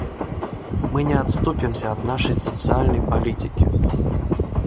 Мы не отступимся от нашей социальной политики.